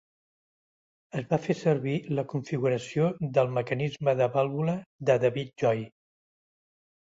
Es va fer servir la configuració del mecanisme de vàlvula de David Joy.